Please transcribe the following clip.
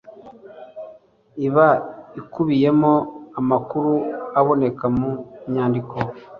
iba ikubiyemo amakuru aboneka mu nyandiko